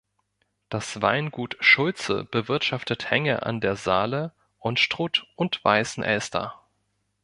Das Weingut Schulze bewirtschaftet Hänge an der Saale, Unstrut und Weißen Elster.